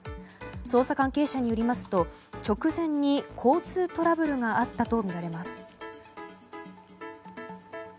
捜査関係者によりますと直前に交通トラブルがあったとみられます。